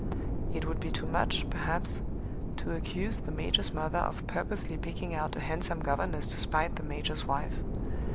It would be too much, perhaps, to accuse the major's mother of purposely picking out a handsome governess to spite the major's wife.